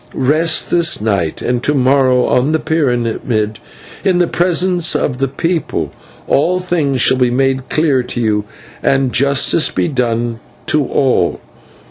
Rest this night; and to morrow on the pyramid, in the presence of the people, all things shall be made clear to you, and justice be done to all.